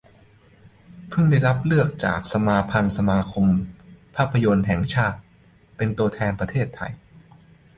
เพิ่งได้รับเลือกจากสมาพันธ์สมาคมภาพยนตร์แห่งชาติ เป็นตัวแทนประเทศไทย